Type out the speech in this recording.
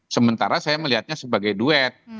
sementara saya melihatnya sebagai duet